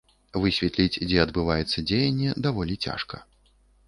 Высветліць, дзе адбываецца дзеянне, даволі цяжка.